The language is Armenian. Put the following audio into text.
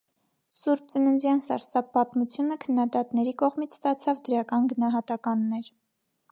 «Սուրբծննդյան սարսափ պատմությունը» քննադատների կողմից ստացավ դրական գնահատականներ։